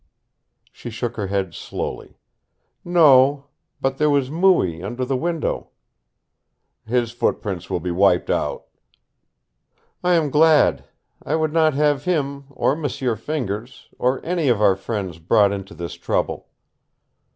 She shook her head slowly. "No. But there was Mooie, under the window." "His footprints will be wiped out." "I am glad. I would not have him, or M'sieu Fingers, or any of our friends brought into this trouble."